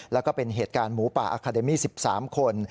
แล้วก็เป็นเหตุการณ์หมูป่าอาคาเดมี่๑๓คน